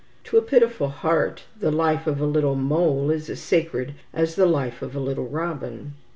To a pitiful heart, the life of a little mole is as sacred as the life of a little robin.